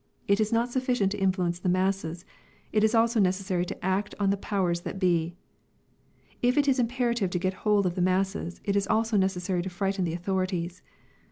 It is not sufficient to influence the masses. It is also necessary to act on the powers that be. If it is imperative to get hold of the masses, it is also necessary to frighten the authorities.